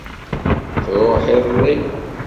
Truḥ iḍelli.